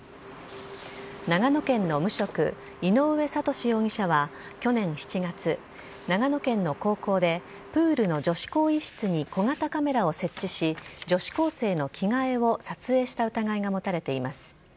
長野県の無職、井上悟志容疑者は去年７月、長野県の高校で、プールの女子更衣室に小型カメラを設置し、女子高生の着替えを撮影した疑いが持たれています。